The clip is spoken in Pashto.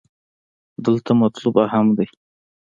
دلته مطلوب اهم دې.